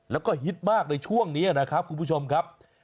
แล้วก็ฮิตมากในช่วงนี้นะครับคุณผู้ชมครับ